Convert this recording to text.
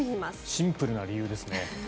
シンプルな理由ですね。